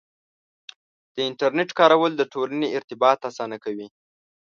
د انټرنیټ کارول د ټولنې ارتباط اسانه کوي.